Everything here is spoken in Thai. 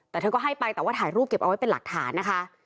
แต่เธอก็ให้ไปแต่ว่าถ่ายรูปเก็บเอาไว้เป็นหลักฐานนะคะ